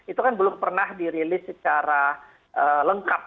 itu kan belum pernah dirilis secara lengkap